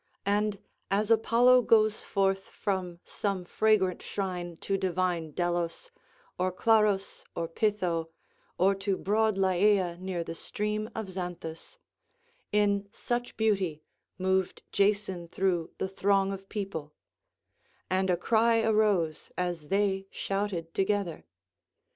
And as Apollo goes forth from some fragrant shrine to divine Delos or Claros or Pytho or to broad Lyeia near the stream of Xanthus, in such beauty moved Jason through the throng of people; and a cry arose as they shouted together.